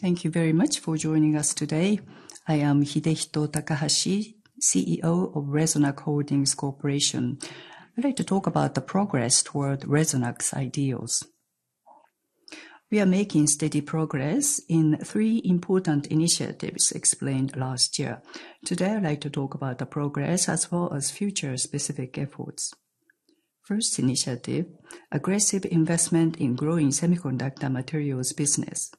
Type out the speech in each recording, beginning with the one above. Thank you very much for joining us today. I am Hidehito Takahashi, CEO of Resonac Holdings Corporation. I'd like to talk about the progress toward Resonac's ideals. We are making steady progress in three important initiatives explained last year. Today, I'd like to talk about the progress as well as future specific efforts. First initiative: aggressive investment in growing semiconductor materials business.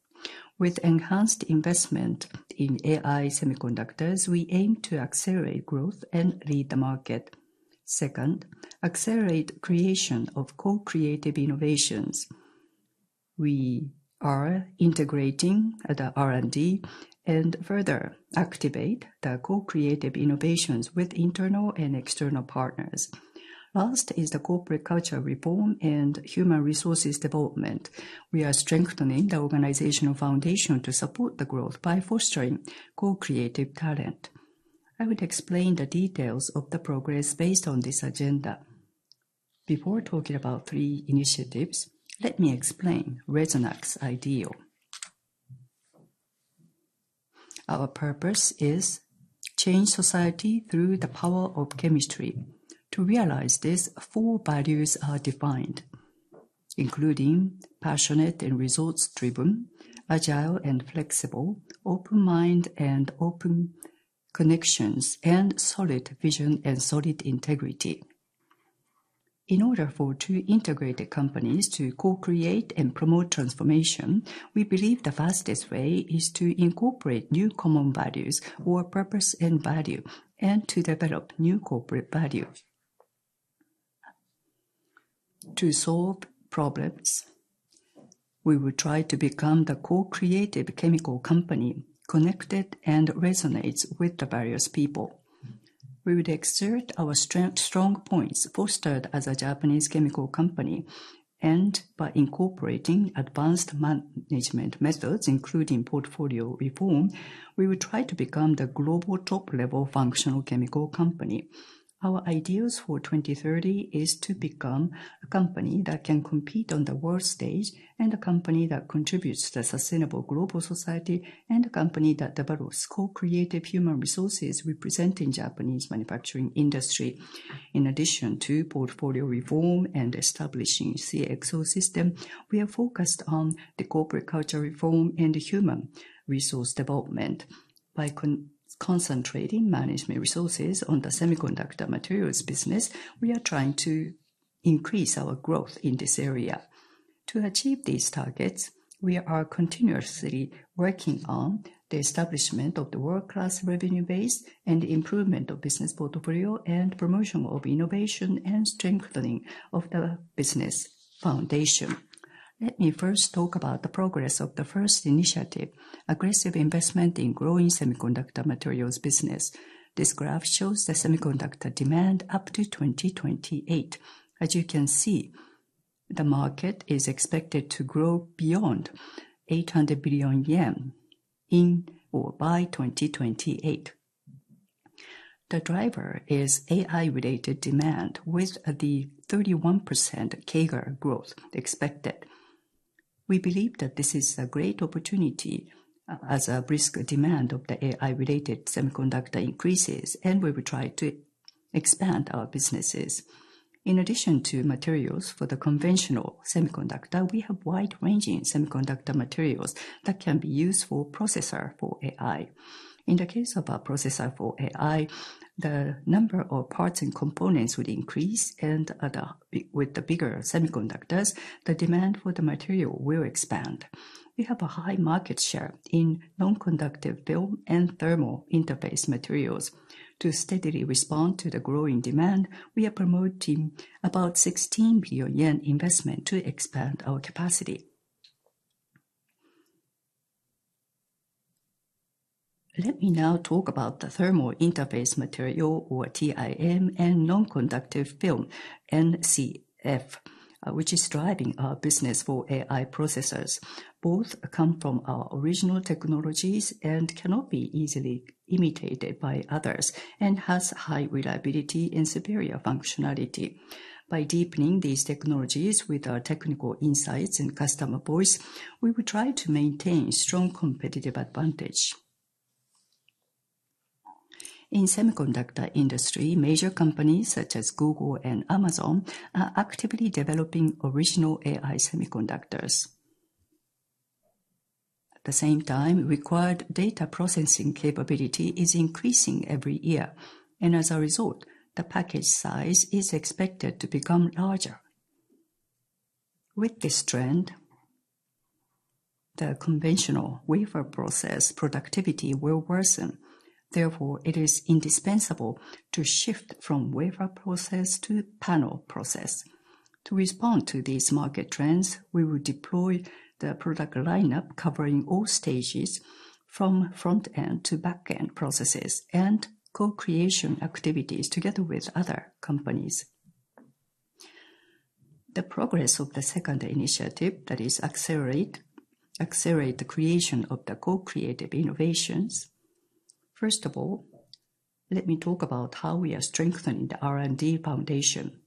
With enhanced investment in AI semiconductors, we aim to accelerate growth and lead the market. Second, accelerate creation of co-creative innovations. We are integrating the R&D and further activate the co-creative innovations with internal and external partners. Last is the corporate culture reform and human resources development. We are strengthening the organizational foundation to support the growth by fostering co-creative talent. I will explain the details of the progress based on this agenda. Before talking about three initiatives, let me explain Resonac's ideal. Our purpose is to change society through the power of chemistry. To realize this, four values are defined, including passionate and results-driven, agile and flexible, open-minded and open connections, and solid vision and solid integrity. In order for two integrated companies to co-create and promote transformation, we believe the fastest way is to incorporate new common values or purpose and value, and to develop new corporate values. To solve problems, we will try to become the co-creative chemical company connected and resonates with the various people. We would exert our strong points fostered as a Japanese chemical company and by incorporating advanced management methods, including portfolio reform. We will try to become the global top-level functional chemical company. Our ideals for 2030 are to become a company that can compete on the world stage and a company that contributes to a sustainable global society and a company that develops co-creative human resources representing the Japanese manufacturing industry. In addition to portfolio reform and establishing the CXO system, we are focused on the corporate culture reform and human resource development. By concentrating management resources on the semiconductor materials business, we are trying to increase our growth in this area. To achieve these targets, we are continuously working on the establishment of the world-class revenue base and the improvement of the business portfolio and promotion of innovation and strengthening of the business foundation. Let me first talk about the progress of the first initiative, aggressive investment in growing semiconductor materials business. This graph shows the semiconductor demand up to 2028. As you can see, the market is expected to grow beyond 800 billion yen in or by 2028. The driver is AI-related demand with the 31% CAGR growth expected. We believe that this is a great opportunity as the demand for the AI-related semiconductors increases, and we will try to expand our businesses. In addition to materials for the conventional semiconductors, we have wide-ranging semiconductor materials that can be used for processors for AI. In the case of a processor for AI, the number of parts and components would increase, and with the bigger semiconductors, the demand for the materials will expand. We have a high market share in Non-Conductive Film and Thermal Interface Materials. To steadily respond to the growing demand, we are promoting about 16 billion yen investment to expand our capacity. Let me now talk about the Thermal Interface Material or TIM and Non-Conductive Film (NCF), which is driving our business for AI processors. Both come from our original technologies and cannot be easily imitated by others and have high reliability and superior functionality. By deepening these technologies with our technical insights and customer voice, we will try to maintain a strong competitive advantage. In the semiconductor industry, major companies such as Google and Amazon are actively developing original AI semiconductors. At the same time, required data processing capability is increasing every year, and as a result, the package size is expected to become larger. With this trend, the conventional wafer process productivity will worsen. Therefore, it is indispensable to shift from wafer process to panel process. To respond to these market trends, we will deploy the product lineup covering all stages from front-end to back-end processes and co-creation activities together with other companies. The progress of the second initiative that is to accelerate the creation of the co-creative innovations. First of all, let me talk about how we are strengthening the R&D foundation.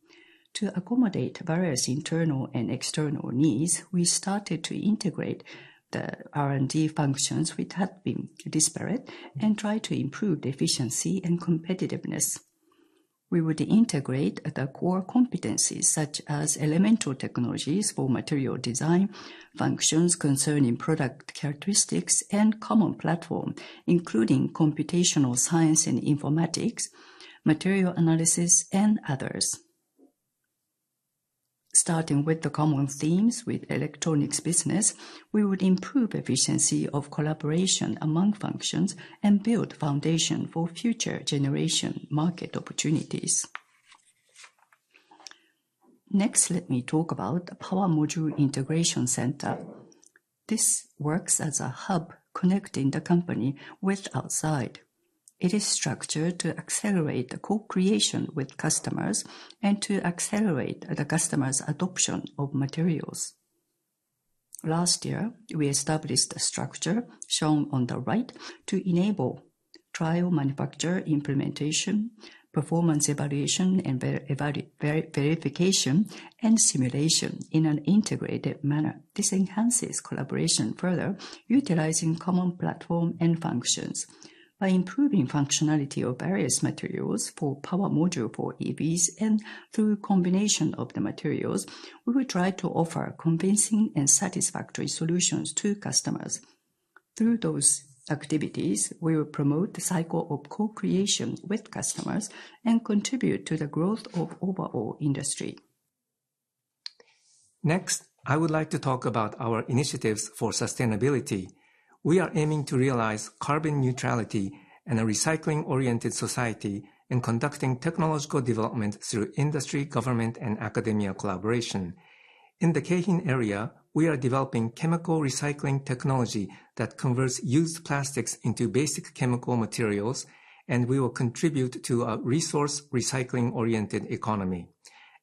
To accommodate various internal and external needs, we started to integrate the R&D functions which had been disparate and try to improve efficiency and competitiveness. We would integrate the core competencies such as elemental technologies for material design functions concerning product characteristics and common platform, including computational science and informatics, material analysis, and others. Starting with the common themes with electronics business, we would improve the efficiency of collaboration among functions and build a foundation for future generation market opportunities. Next, let me talk about the Power Module Integration Center. This works as a hub connecting the company with outside. It is structured to accelerate the co-creation with customers and to accelerate the customer's adoption of materials. Last year, we established the structure shown on the right to enable trial manufacture implementation, performance evaluation, and verification and simulation in an integrated manner. This enhances collaboration further, utilizing common platform and functions. By improving the functionality of various materials for power module for EVs and through the combination of the materials, we will try to offer convincing and satisfactory solutions to customers. Through those activities, we will promote the cycle of co-creation with customers and contribute to the growth of the overall industry. Next, I would like to talk about our initiatives for sustainability. We are aiming to realize carbon neutrality and a recycling-oriented society and conducting technological development through industry, government, and academia collaboration. In the Keihin area, we are developing chemical recycling technology that converts used plastics into basic chemical materials, and we will contribute to a resource recycling-oriented economy.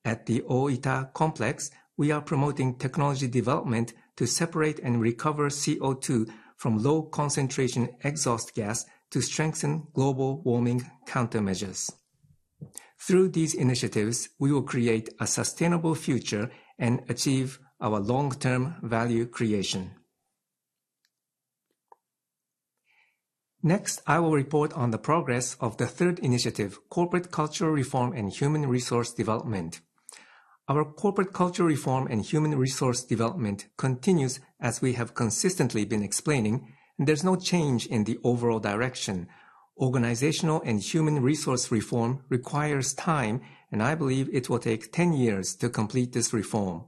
At the Oita Complex, we are promoting technology development to separate and recover CO2 from low-concentration exhaust gas to strengthen global warming countermeasures. Through these initiatives, we will create a sustainable future and achieve our long-term value creation. Next, I will report on the progress of the third initiative, corporate culture reform and human resource development. Our corporate culture reform and human resource development continues as we have consistently been explaining. There's no change in the overall direction. Organizational and human resource reform requires time, and I believe it will take 10 years to complete this reform.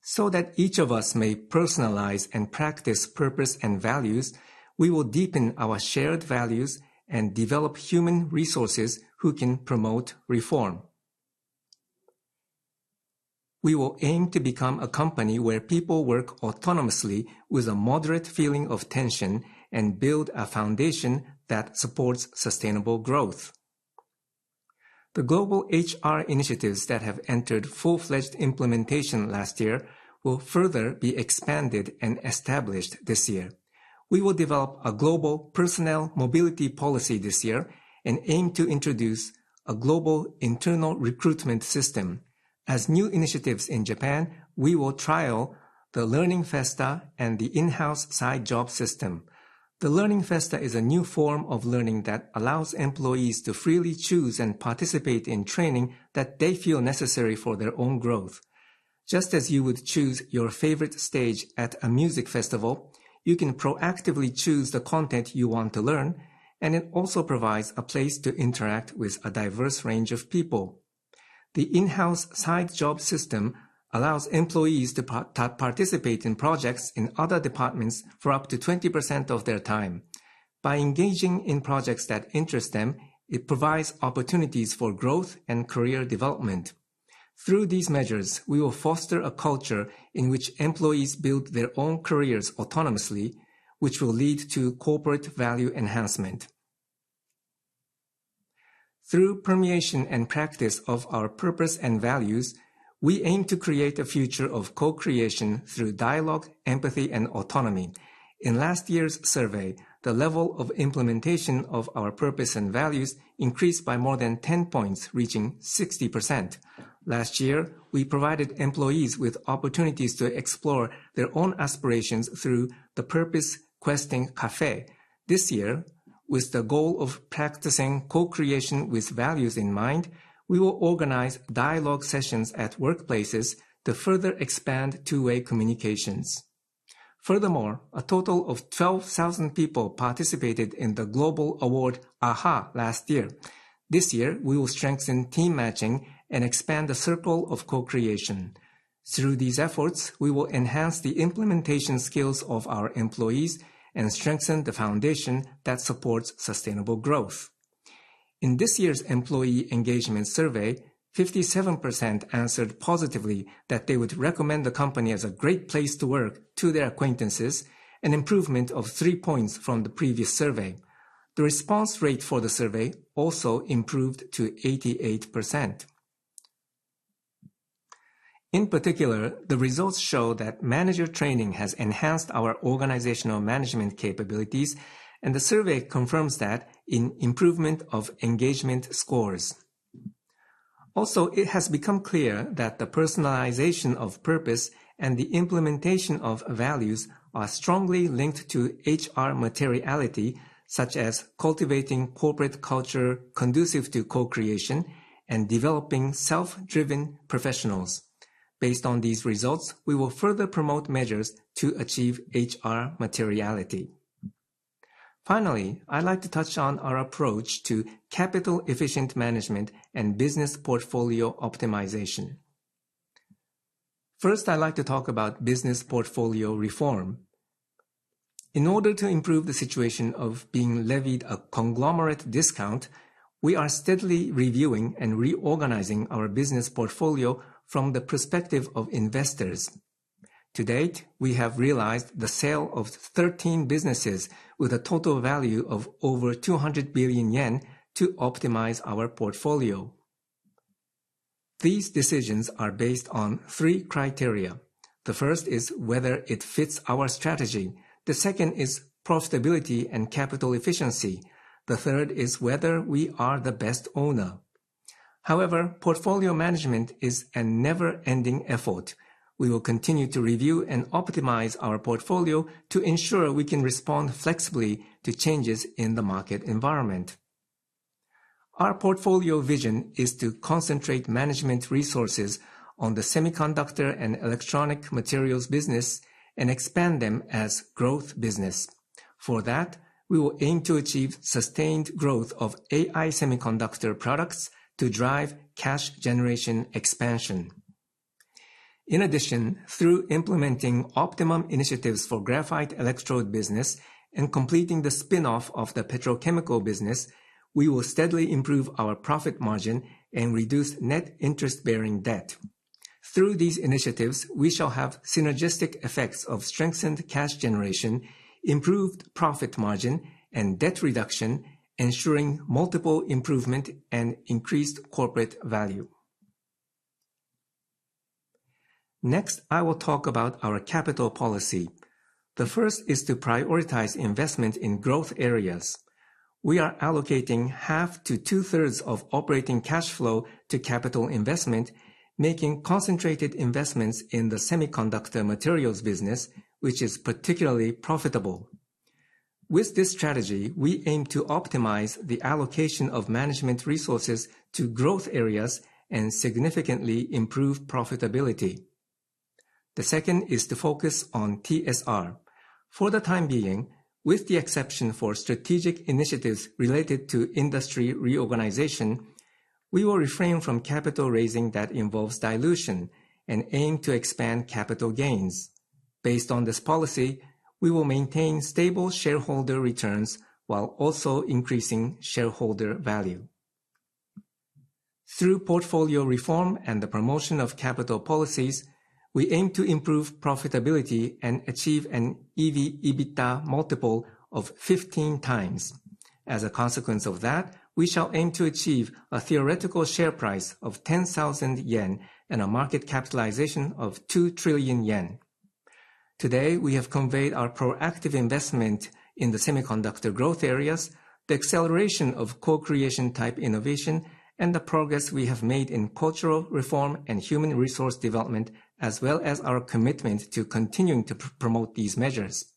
So that each of us may personalize and practice purpose and values, we will deepen our shared values and develop human resources who can promote reform. We will aim to become a company where people work autonomously with a moderate feeling of tension and build a foundation that supports sustainable growth. The global HR initiatives that have entered full-fledged implementation last year will further be expanded and established this year. We will develop a global personnel mobility policy this year and aim to introduce a global internal recruitment system. As new initiatives in Japan, we will trial the Learning Festa and the in-house side job system. The Learning Festa is a new form of learning that allows employees to freely choose and participate in training that they feel necessary for their own growth. Just as you would choose your favorite stage at a music festival, you can proactively choose the content you want to learn, and it also provides a place to interact with a diverse range of people. The in-house side job system allows employees to participate in projects in other departments for up to 20% of their time. By engaging in projects that interest them, it provides opportunities for growth and career development. Through these measures, we will foster a culture in which employees build their own careers autonomously, which will lead to corporate value enhancement. Through permeation and practice of our purpose and values, we aim to create a future of co-creation through dialogue, empathy, and autonomy. In last year's survey, the level of implementation of our purpose and values increased by more than 10 points, reaching 60%. Last year, we provided employees with opportunities to explore their own aspirations through the Purpose Questing Café. This year, with the goal of practicing co-creation with values in mind, we will organize dialogue sessions at workplaces to further expand two-way communications. Furthermore, a total of 12,000 people participated in the global award AHA last year. This year, we will strengthen team matching and expand the circle of co-creation. Through these efforts, we will enhance the implementation skills of our employees and strengthen the foundation that supports sustainable growth. In this year's employee engagement survey, 57% answered positively that they would recommend the company as a great place to work to their acquaintances, an improvement of three points from the previous survey. The response rate for the survey also improved to 88%. In particular, the results show that manager training has enhanced our organizational management capabilities, and the survey confirms an improvement in engagement scores. Also, it has become clear that the personalization of purpose and the implementation of values are strongly linked to HR materiality, such as cultivating corporate culture conducive to co-creation and developing self-driven professionals. Based on these results, we will further promote measures to achieve HR materiality. Finally, I'd like to touch on our approach to capital efficient management and business portfolio optimization. First, I'd like to talk about business portfolio reform. In order to improve the situation of being levied a conglomerate discount, we are steadily reviewing and reorganizing our business portfolio from the perspective of investors. To date, we have realized the sale of 13 businesses with a total value of over 200 billion yen to optimize our portfolio. These decisions are based on three criteria. The first is whether it fits our strategy. The second is profitability and capital efficiency. The third is whether we are the best owner. However, portfolio management is a never-ending effort. We will continue to review and optimize our portfolio to ensure we can respond flexibly to changes in the market environment. Our portfolio vision is to concentrate management resources on the semiconductor and electronic materials business and expand them as a growth business. For that, we will aim to achieve sustained growth of AI semiconductor products to drive cash generation expansion. In addition, through implementing optimum initiatives for graphite electrode business and completing the spinoff of the petrochemical business, we will steadily improve our profit margin and reduce net interest-bearing debt. Through these initiatives, we shall have synergistic effects of strengthened cash generation, improved profit margin, and debt reduction, ensuring multiple improvement and increased corporate value. Next, I will talk about our capital policy. The first is to prioritize investment in growth areas. We are allocating half to two-thirds of operating cash flow to capital investment, making concentrated investments in the semiconductor materials business, which is particularly profitable. With this strategy, we aim to optimize the allocation of management resources to growth areas and significantly improve profitability. The second is to focus on TSR. For the time being, with the exception for strategic initiatives related to industry reorganization, we will refrain from capital raising that involves dilution and aim to expand capital gains. Based on this policy, we will maintain stable shareholder returns while also increasing shareholder value. Through portfolio reform and the promotion of capital policies, we aim to improve profitability and achieve an EV/EBITDA multiple of 15x. As a consequence of that, we shall aim to achieve a theoretical share price of 10,000 yen and a market capitalization of 2 trillion yen. Today, we have conveyed our proactive investment in the semiconductor growth areas, the acceleration of co-creation type innovation, and the progress we have made in cultural reform and human resource development, as well as our commitment to continuing to promote these measures.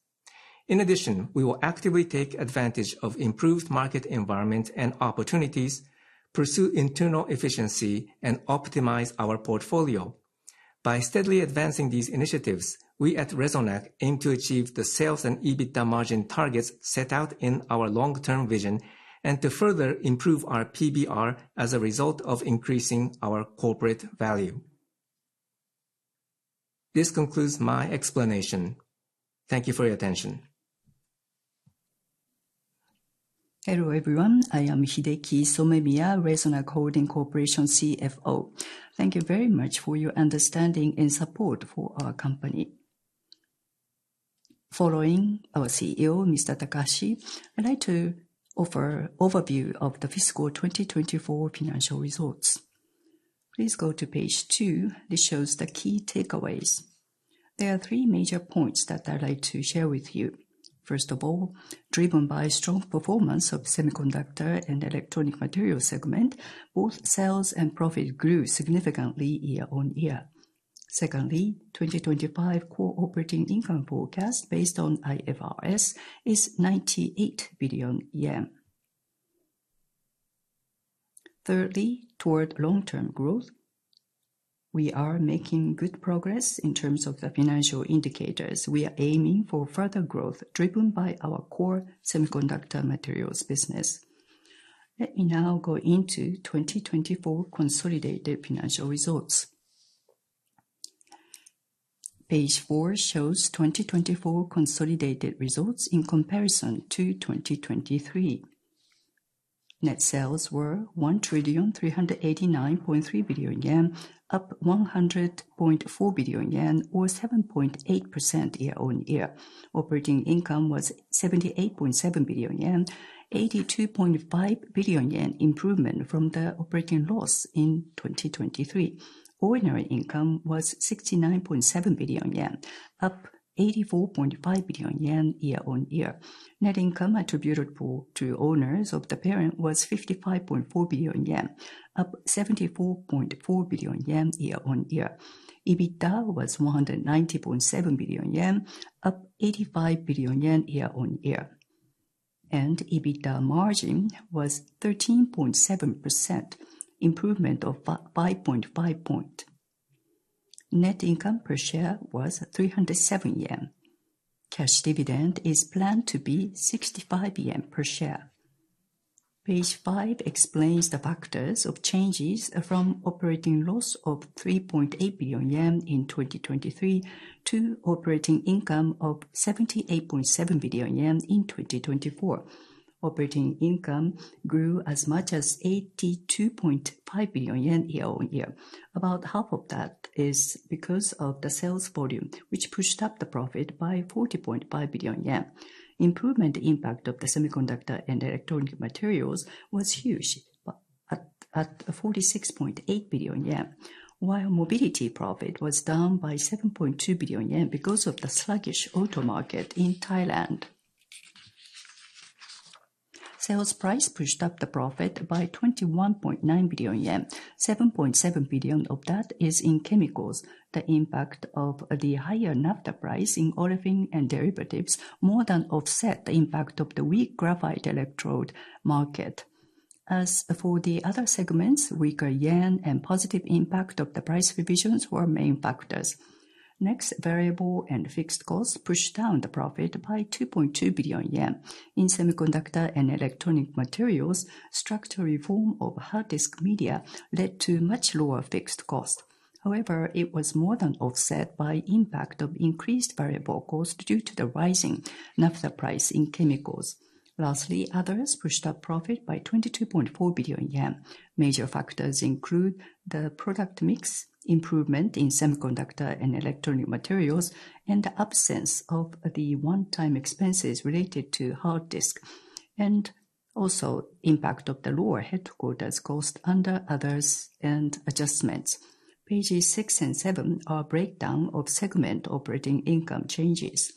In addition, we will actively take advantage of improved market environment and opportunities, pursue internal efficiency, and optimize our portfolio. By steadily advancing these initiatives, we at Resonac aim to achieve the sales and EBITDA margin targets set out in our long-term vision and to further improve our PBR as a result of increasing our corporate value. This concludes my explanation. Thank you for your attention. Hello, everyone. I am Hideki Somemiya, Resonac Holdings Corporation CFO. Thank you very much for your understanding and support for our company. Following our CEO, Mr. Takahashi, I'd like to offer an overview of the Fiscal 2024 financial results. Please go to page 2. This shows the key takeaways. There are three major points that I'd like to share with you. First of all, driven by a strong performance of the Semiconductor and Electronic Materials segment, both sales and profit grew significantly year on year. Secondly, the 2025 core operating income forecast based on IFRS is 98 billion yen. Thirdly, toward long-term growth, we are making good progress in terms of the financial indicators. We are aiming for further growth driven by our core semiconductor materials business. Let me now go into 2024 consolidated financial results. Page 4 shows 2024 consolidated results in comparison to 2023. Net sales were 1 trillion 389.3 billion, up 100.4 billion yen, or 7.8% year on year. Operating income was 78.7 billion yen, an 82.5 billion yen improvement from the operating loss in 2023. Ordinary income was 69.7 billion yen, up 84.5 billion yen year on year. Net income attributed to owners of the parent was 55.4 billion yen, up 74.4 billion yen year on year. EBITDA was 190.7 billion yen, up 85 billion yen year on year, and EBITDA margin was 13.7%, an improvement of 5.5 points. Net income per share was 307 yen. Cash dividend is planned to be 65 yen per share. Page 5 explains the factors of changes from operating loss of 3.8 billion yen in 2023 to operating income of 78.7 billion yen in 2024. Operating income grew as much as 82.5 billion yen year on year. About half of that is because of the sales volume, which pushed up the profit by 40.5 billion yen. Improvement impact of the semiconductor and electronic materials was huge, at 46.8 billion yen, while mobility profit was down by 7.2 billion yen because of the sluggish auto market in Thailand. Sales price pushed up the profit by 21.9 billion yen. 7.7 billion of that is in chemicals. The impact of the higher naphtha price in olefins and derivatives more than offset the impact of the weak graphite electrode market. As for the other segments, weaker yen and positive impact of the price revisions were main factors. Next, variable and fixed costs pushed down the profit by 2.2 billion yen. In semiconductor and electronic materials, structural reform of hard disk media led to much lower fixed costs. However, it was more than offset by the impact of increased variable costs due to the rising naphtha price in chemicals. Lastly, others pushed up profit by 22.4 billion yen. Major factors include the product mix, improvement in semiconductor and electronic materials, and the absence of the one-time expenses related to hard disk, and also the impact of the lower headquarters cost under others and adjustments. Pages 6 and 7 are a breakdown of segment operating income changes.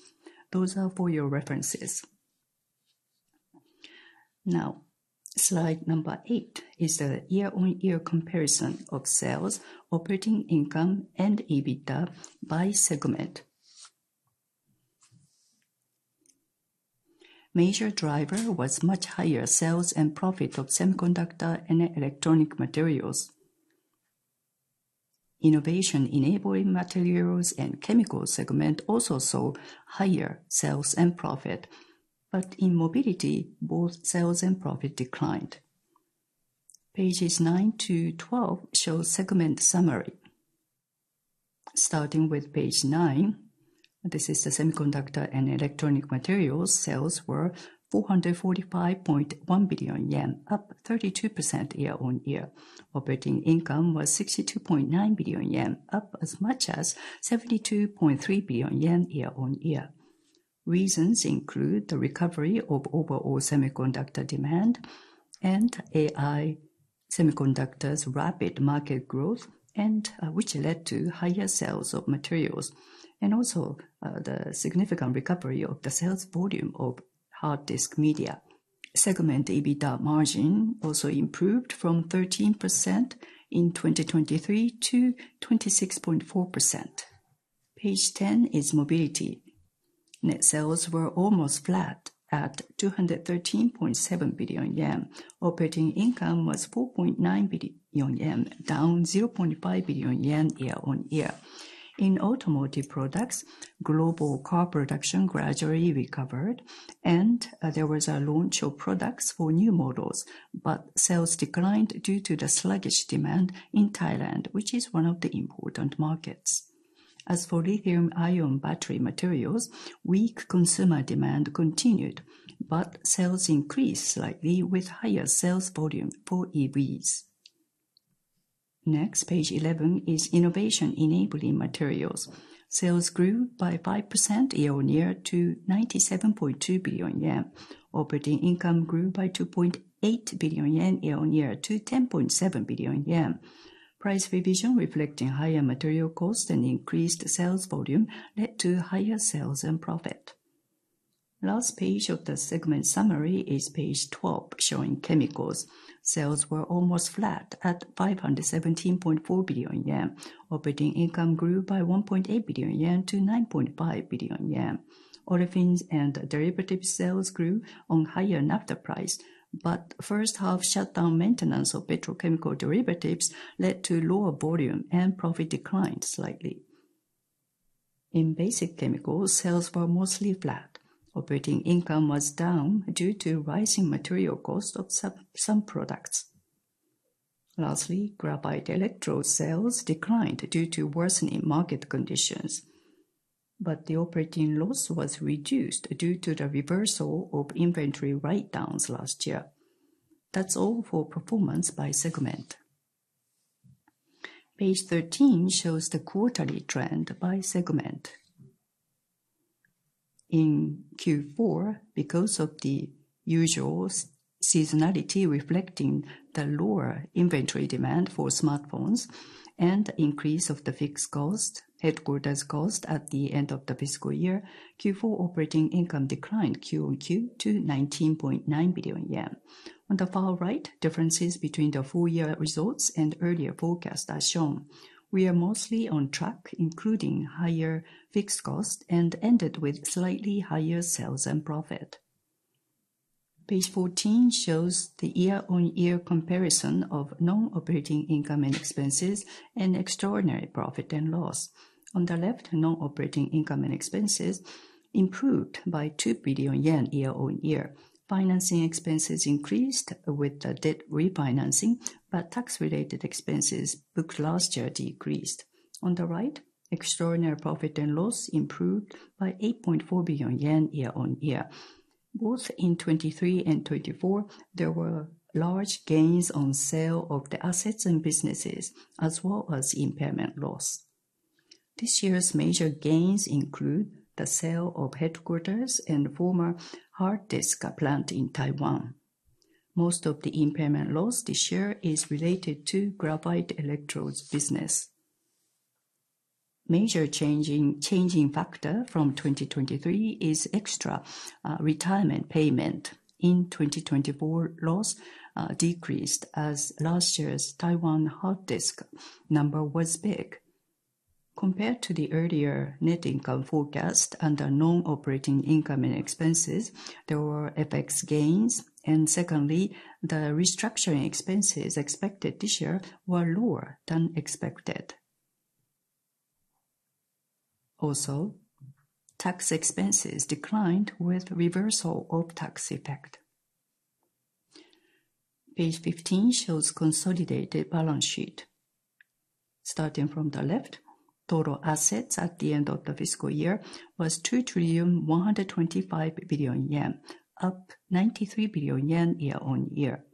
Those are for your references. Now, slide number 8 is the year-on-year comparison of sales, operating income, and EBITDA by segment. Major driver was much higher sales and profit of semiconductor and electronic materials. Innovation enabling materials and chemical segment also saw higher sales and profit, but in mobility, both sales and profit declined. Pages 9 to 12 show segment summary. Starting with page 9, this is the semiconductor and electronic materials sales were 445.1 billion yen, up 32% year on year. Operating income was 62.9 billion yen, up as much as 72.3 billion yen year on year. Reasons include the recovery of overall semiconductor demand and AI semiconductors' rapid market growth, which led to higher sales of materials, and also the significant recovery of the sales volume of hard disk media. Segment EBITDA margin also improved from 13% in 2023 to 26.4%. Page 10 is mobility. Net sales were almost flat at 213.7 billion yen. Operating income was 4.9 billion yen, down 0.5 billion yen year on year. In automotive products, global car production gradually recovered, and there was a launch of products for new models, but sales declined due to the sluggish demand in Thailand, which is one of the important markets. As for lithium-ion battery materials, weak consumer demand continued, but sales increased slightly with higher sales volume for EVs. Next, page 11 is innovation enabling materials. Sales grew by 5% year on year to 97.2 billion yen. Operating income grew by 2.8 billion yen year on year to 10.7 billion yen. Price revision reflecting higher material costs and increased sales volume led to higher sales and profit. Last page of the segment summary is page 12 showing chemicals. Sales were almost flat at 517.4 billion yen. Operating income grew by 1.8 billion yen to 9.5 billion yen. Olefins and derivatives sales grew on higher naphtha price, but first-half shutdown maintenance of petrochemical derivatives led to lower volume and profit declined slightly. In Basic Chemicals, sales were mostly flat. Operating income was down due to rising material costs of some products. Lastly, graphite electrode sales declined due to worsening market conditions, but the operating loss was reduced due to the reversal of inventory write-downs last year. That's all for performance by segment. Page 13 shows the quarterly trend by segment. In Q4, because of the usual seasonality reflecting the lower inventory demand for smartphones and the increase of the fixed costs, headquarters costs at the end of the fiscal year, Q4 operating income declined Q on Q to 19.9 billion yen. On the far right, differences between the full-year results and earlier forecast are shown. We are mostly on track, including higher fixed costs, and ended with slightly higher sales and profit. Page 14 shows the year-on-year comparison of non-operating income and expenses and extraordinary profit and loss. On the left, non-operating income and expenses improved by 2 billion yen year on year. Financing expenses increased with the debt refinancing, but tax-related expenses booked last year decreased. On the right, extraordinary profit and loss improved by 8.4 billion yen year on year. Both in 2023 and 2024, there were large gains on sale of the assets and businesses, as well as impairment loss. This year's major gains include the sale of headquarters and former hard disk plant in Taiwan. Most of the impairment loss this year is related to graphite electrodes business. Major changing factor from 2023 is extra retirement payment. In 2024, loss decreased as last year's Taiwan hard disk number was big. Compared to the earlier net income forecast under non-operating income and expenses, there were FX gains, and secondly, the restructuring expenses expected this year were lower than expected. Also, tax expenses declined with reversal of tax effect. Page 15 shows consolidated balance sheet. Starting from the left, total assets at the end of the fiscal year was 2 trillion 125 billion, up 93 billion yen year on year.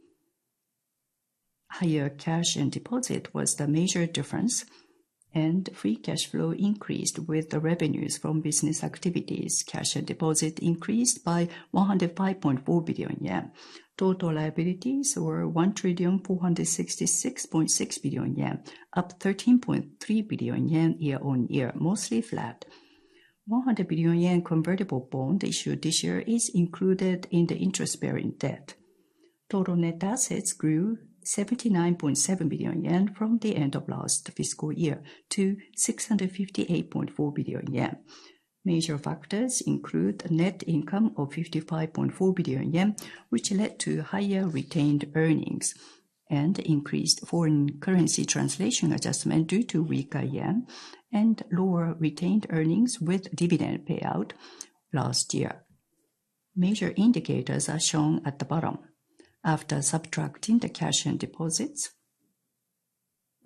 Higher cash and deposit was the major difference, and free cash flow increased with the revenues from business activities. Cash and deposit increased by 105.4 billion yen. Total liabilities were 1 trillion 466.6 billion, up 13.3 billion yen year on year, mostly flat. 100 billion yen convertible bond issued this year is included in the interest-bearing debt. Total net assets grew 79.7 billion yen from the end of last fiscal year to 658.4 billion yen. Major factors include net income of 55.4 billion yen, which led to higher retained earnings, and increased foreign currency translation adjustment due to weaker yen and lower retained earnings with dividend payout last year. Major indicators are shown at the bottom. After subtracting the cash and deposits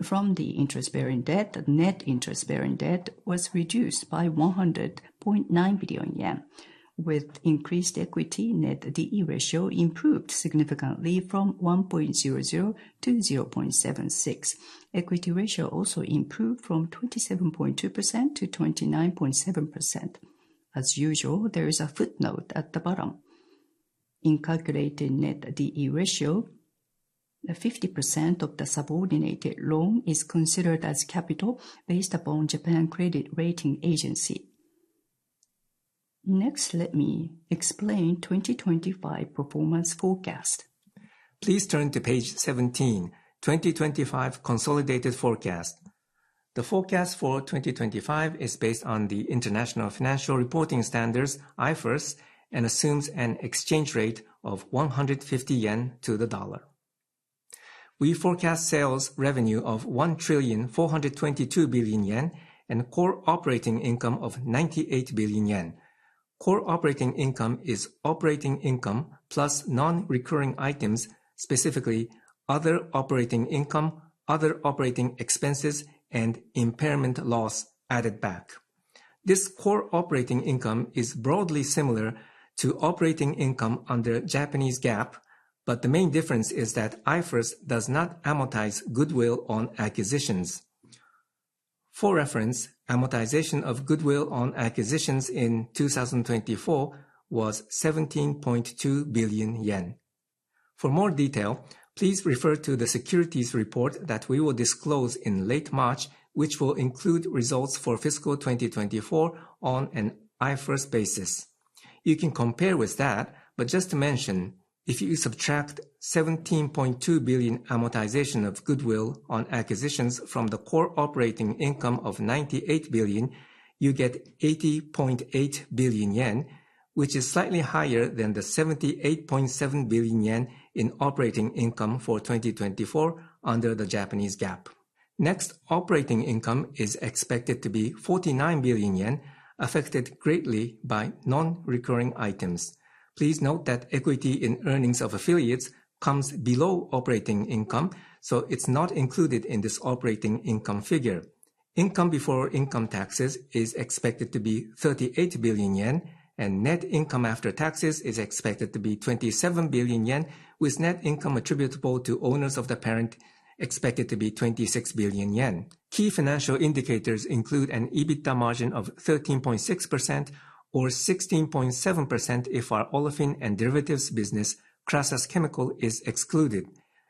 from the interest-bearing debt, net interest-bearing debt was reduced by 100.9 billion yen, with increased equity net D/E ratio improved significantly from 1.00 to 0.76. Equity ratio also improved from 27.2% to 29.7%. As usual, there is a footnote at the bottom. In calculating net D/E ratio, 50% of the subordinated loan is considered as capital based upon Japan Credit Rating Agency. Next, let me explain 2025 performance forecast. Please turn to page 17, 2025 consolidated forecast. The forecast for 2025 is based on the International Financial Reporting Standards, IFRS, and assumes an exchange rate of 150 yen to the dollar. We forecast sales revenue of 1 trillion 422 billion and core operating income of 98 billion yen. Core operating income is operating income plus non-recurring items, specifically other operating income, other operating expenses, and impairment loss added back. This core operating income is broadly similar to operating income under Japanese GAAP, but the main difference is that IFRS does not amortize goodwill on acquisitions. For reference, amortization of goodwill on acquisitions in 2024 was 17.2 billion yen. For more detail, please refer to the securities report that we will disclose in late March, which will include results for fiscal 2024 on an IFRS basis. You can compare with that, but just to mention, if you subtract 17.2 billion amortization of goodwill on acquisitions from the core operating income of 98 billion, you get 80.8 billion yen, which is slightly higher than the 78.7 billion yen in operating income for 2024 under the Japanese GAAP. Next, operating income is expected to be 49 billion yen, affected greatly by non-recurring items. Please note that equity in earnings of affiliates comes below operating income, so it's not included in this operating income figure. Income before income taxes is expected to be 38 billion yen, and net income after taxes is expected to be 27 billion yen, with net income attributable to owners of the parent expected to be 26 billion yen. Key financial indicators include an EBITDA margin of 13.6% or 16.7% if our Olefins and Derivatives business, Crasus Chemical, is excluded.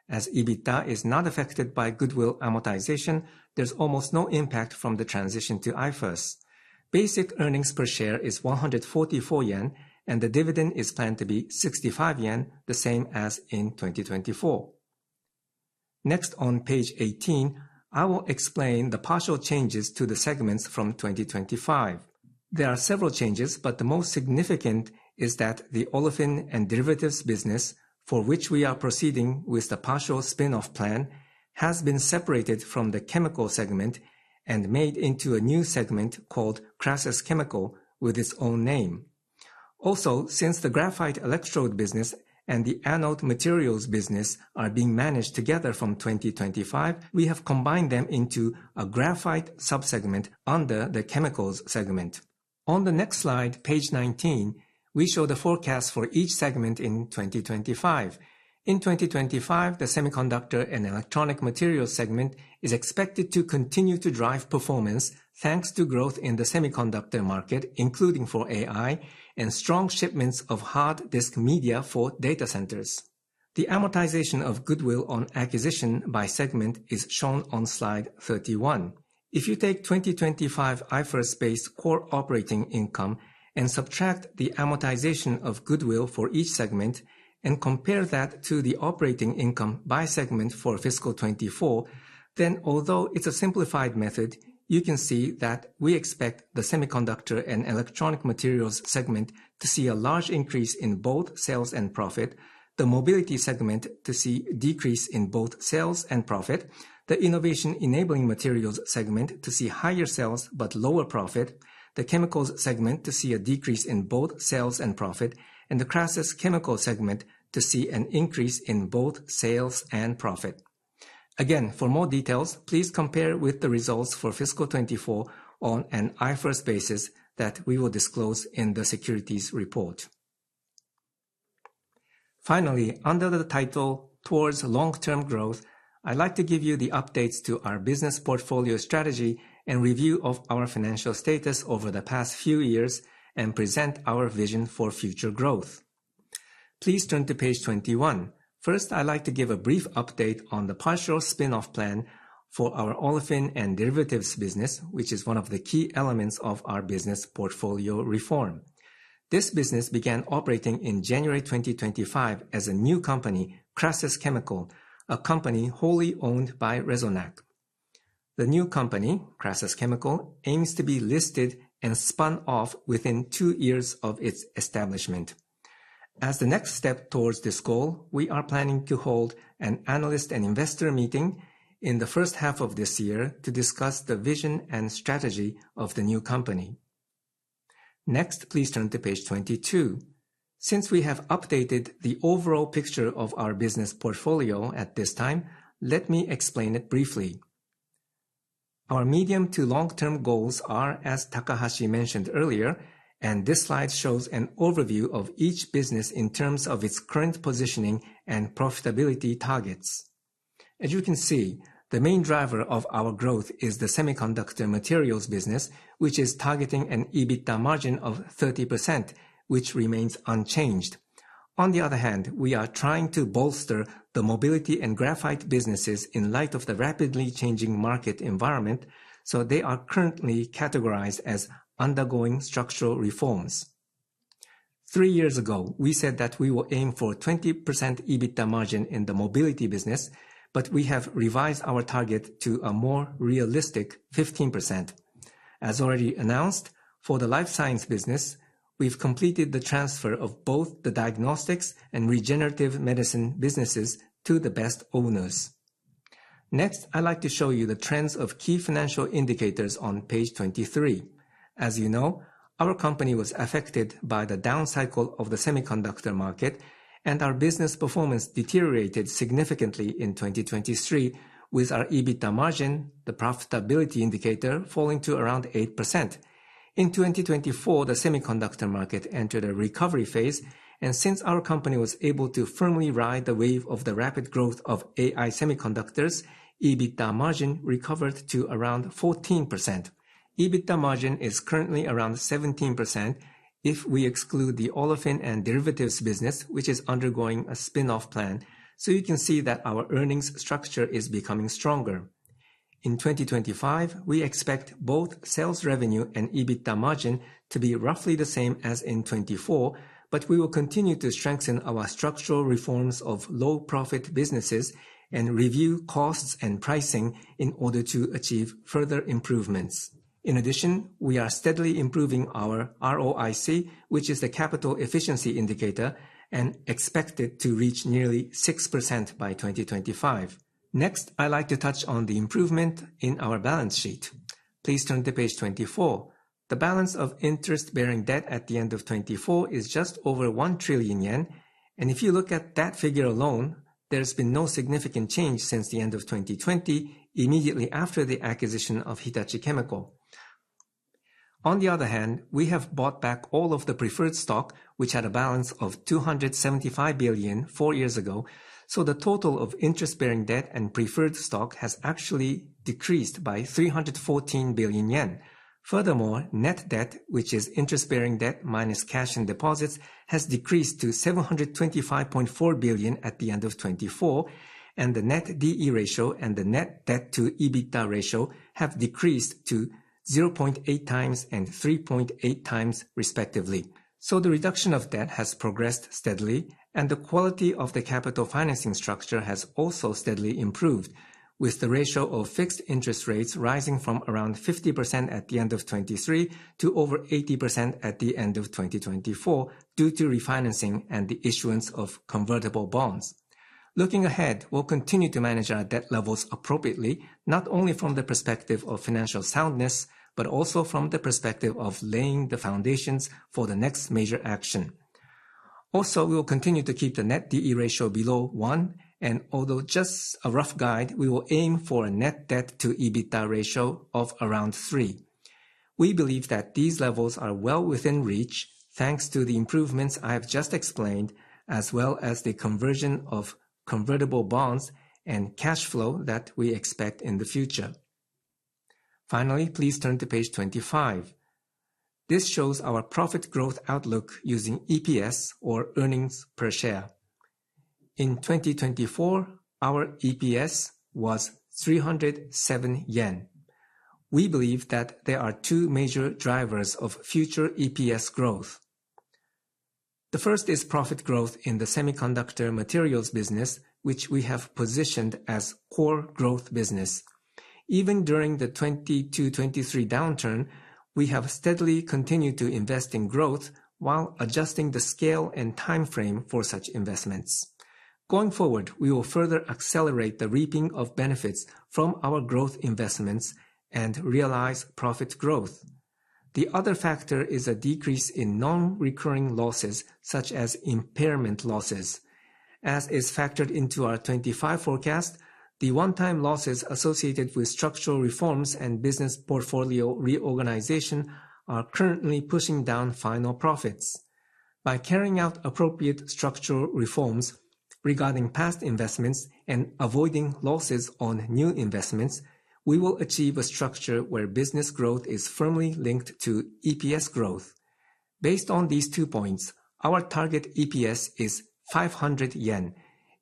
As EBITDA is not affected by goodwill amortization, there's almost no impact from the transition to IFRS. Basic earnings per share is 144 yen, and the dividend is planned to be 65 yen, the same as in 2024. Next, on page 18, I will explain the partial changes to the segments from 2025. There are several changes, but the most significant is that the Olefins and Derivatives business, for which we are proceeding with the partial spin-off plan, has been separated from the chemical segment and made into a new segment called Crasus Chemical with its own name. Also, since the graphite electrode business and the anode materials business are being managed together from 2025, we have combined them into a graphite subsegment under the Chemicals segment. On the next slide, page 19, we show the forecast for each segment in 2025. In 2025, the Semiconductor and Electronic Materials segment is expected to continue to drive performance thanks to growth in the semiconductor market, including for AI, and strong shipments of hard disk media for data centers. The amortization of goodwill on acquisition by segment is shown on slide 31. If you take 2025 IFRS-based core operating income and subtract the amortization of goodwill for each segment and compare that to the operating income by segment for fiscal 2024, then although it's a simplified method, you can see that we expect the Semiconductor and Electronic Materials segment to see a large increase in both sales and profit, the Mobility segment to see a decrease in both sales and profit, the Innovation Enabling Materials segment to see higher sales but lower profit, the Chemicals segment to see a decrease in both sales and profit, and the Crasus Chemical segment to see an increase in both sales and profit. Again, for more details, please compare with the results for fiscal 2024 on an IFRS basis that we will disclose in the securities report. Finally, under the title "Towards Long-Term Growth," I'd like to give you the updates to our business portfolio strategy and review of our financial status over the past few years and present our vision for future growth. Please turn to page 21. First, I'd like to give a brief update on the partial spin-off plan for our Olefins and Derivatives business, which is one of the key elements of our business portfolio reform. This business began operating in January 2025 as a new company, Crasus Chemical, a company wholly owned by Resonac. The new company, Crasus Chemical, aims to be listed and spun off within two years of its establishment. As the next step towards this goal, we are planning to hold an analyst and investor meeting in the first half of this year to discuss the vision and strategy of the new company. Next, please turn to page 22. Since we have updated the overall picture of our business portfolio at this time, let me explain it briefly. Our medium to long-term goals are, as Takahashi mentioned earlier, and this slide shows an overview of each business in terms of its current positioning and profitability targets. As you can see, the main driver of our growth is the semiconductor materials business, which is targeting an EBITDA margin of 30%, which remains unchanged. On the other hand, we are trying to bolster the mobility and graphite businesses in light of the rapidly changing market environment, so they are currently categorized as undergoing structural reforms. Three years ago, we said that we will aim for a 20% EBITDA margin in the mobility business, but we have revised our target to a more realistic 15%. As already announced, for the life science business, we've completed the transfer of both the diagnostics and regenerative medicine businesses to the best owners. Next, I'd like to show you the trends of key financial indicators on page 23. As you know, our company was affected by the down cycle of the semiconductor market, and our business performance deteriorated significantly in 2023, with our EBITDA margin, the profitability indicator, falling to around 8%. In 2024, the semiconductor market entered a recovery phase, and since our company was able to firmly ride the wave of the rapid growth of AI semiconductors, EBITDA margin recovered to around 14%. EBITDA margin is currently around 17% if we exclude the Olefins and Derivatives business, which is undergoing a spin-off plan, so you can see that our earnings structure is becoming stronger. In 2025, we expect both sales revenue and EBITDA margin to be roughly the same as in 2024, but we will continue to strengthen our structural reforms of low-profit businesses and review costs and pricing in order to achieve further improvements. In addition, we are steadily improving our ROIC, which is the capital efficiency indicator, and expect it to reach nearly 6% by 2025. Next, I'd like to touch on the improvement in our balance sheet. Please turn to page 24. The balance of interest-bearing debt at the end of 2024 is just over 1 trillion yen, and if you look at that figure alone, there's been no significant change since the end of 2020, immediately after the acquisition of Hitachi Chemical. On the other hand, we have bought back all of the preferred stock, which had a balance of 275 billion four years ago, so the total of interest-bearing debt and preferred stock has actually decreased by 314 billion yen. Furthermore, net debt, which is interest-bearing debt minus cash and deposits, has decreased to 725.4 billion at the end of 2024, and the net D/E ratio and the net debt to EBITDA ratio have decreased to 0.8x and 3.8x, respectively. So the reduction of debt has progressed steadily, and the quality of the capital financing structure has also steadily improved, with the ratio of fixed interest rates rising from around 50% at the end of 2023 to over 80% at the end of 2024 due to refinancing and the issuance of convertible bonds. Looking ahead, we'll continue to manage our debt levels appropriately, not only from the perspective of financial soundness, but also from the perspective of laying the foundations for the next major action. Also, we will continue to keep the net D/E ratio below 1, and although just a rough guide, we will aim for a net debt to EBITDA ratio of around 3. We believe that these levels are well within reach thanks to the improvements I have just explained, as well as the conversion of convertible bonds and cash flow that we expect in the future. Finally, please turn to page 25. This shows our profit growth outlook using EPS, or earnings per share. In 2024, our EPS was 307 yen. We believe that there are two major drivers of future EPS growth. The first is profit growth in the semiconductor materials business, which we have positioned as core growth business. Even during the 2022-2023 downturn, we have steadily continued to invest in growth while adjusting the scale and timeframe for such investments. Going forward, we will further accelerate the reaping of benefits from our growth investments and realize profit growth. The other factor is a decrease in non-recurring losses, such as impairment losses. As is factored into our 2025 forecast, the one-time losses associated with structural reforms and business portfolio reorganization are currently pushing down final profits. By carrying out appropriate structural reforms regarding past investments and avoiding losses on new investments, we will achieve a structure where business growth is firmly linked to EPS growth. Based on these two points, our target EPS is 500 yen.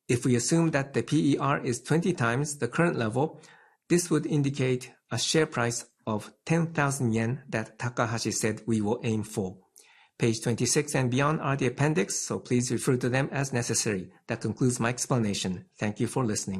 If we assume that the PER is 20x the current level, this would indicate a share price of 10,000 yen that Takahashi said we will aim for. Page 26 and beyond are the appendix, so please refer to them as necessary. That concludes my explanation. Thank you for listening.